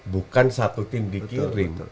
bukan satu tim dikirim